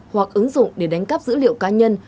hoặc ứng dụng để đánh cắp dữ liệu cá nhân